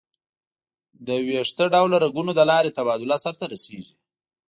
د ویښته ډوله رګونو له لارې تبادله سر ته رسېږي.